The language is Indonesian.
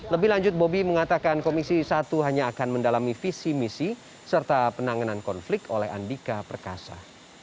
lebih lanjut bobby mengatakan komisi satu hanya akan mendalami visi misi serta penanganan konflik oleh andika perkasa